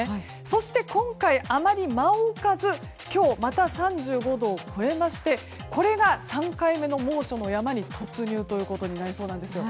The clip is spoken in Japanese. そして今回、あまり間を置かず今日また３５度を超えましてこれが３回目の猛暑の山に突入ということになりそうなんです。